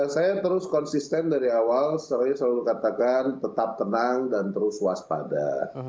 saya terus konsisten dari awal selalu katakan tetap tenang dan terus waspada